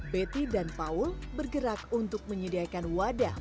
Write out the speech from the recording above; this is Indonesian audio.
betty dan paul bergerak untuk menyediakan wadah